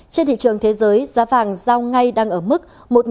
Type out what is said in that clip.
trên thị trường thế giới giá vàng giao ngay đang ở mức